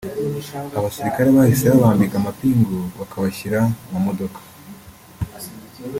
abasirikare bahise babambika amapingu bakabashyira mu modoka